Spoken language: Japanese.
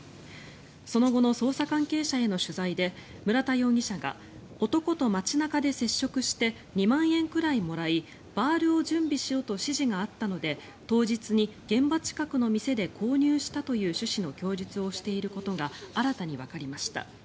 その後の捜査関係者への取材で村田容疑者が男と街中で接触して２万円くらいもらいバールを準備しろと指示があったので当日に現場近くの店で購入したという趣旨の供述をしていることが新たにわかりました。